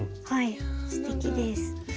すてきです。